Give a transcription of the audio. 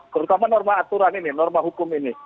terutama norma aturan ini norma hukum ini